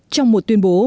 trong một tuyên bố